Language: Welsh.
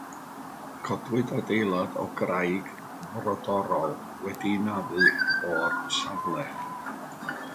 Codwyd adeilad o graig frodorol wedi'i naddu o'r safle.